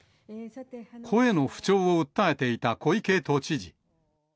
声の不調を訴えていた小池都知事。